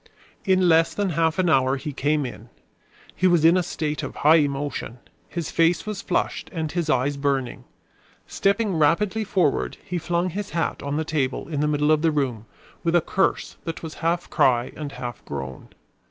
In less than half an hour he came in. He was in a state of high emotion. His face was flushed and his eyes burning. Stepping rapidly forward, he flung his hat on the table in the middle of the room, with a curse that was half cry and half groan.